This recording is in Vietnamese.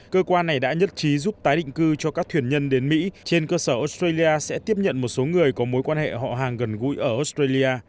cơ quan này đã nhất trí giúp tái định cư cho các thuyền nhân đến mỹ trên cơ sở australia sẽ tiếp nhận một số người có mối quan hệ họ hàng gần gũi ở australia